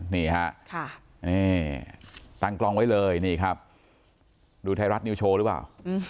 นี่ฮะนี่ตั้งกล้องไว้เลยนี่ครับดูไทยรัฐนิวโชว์หรือเปล่า